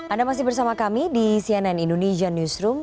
anda masih bersama kami di cnn indonesia newsroom